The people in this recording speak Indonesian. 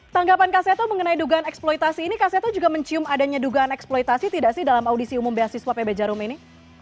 tanggapan kak seto mengenai dugaan eksploitasi ini kak seto juga mencium adanya dugaan eksploitasi tidak sih dalam audisi umum beasiswa pb jarum ini